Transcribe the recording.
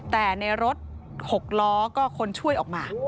แต่ในรถ๖ล้อก็คนช่วยออกมา